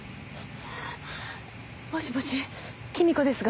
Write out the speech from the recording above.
もしもし君子ですが。